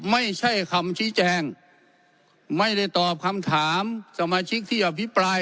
ไม่ใช่คำชี้แจงไม่ได้ตอบคำถามสมาชิกที่อภิปราย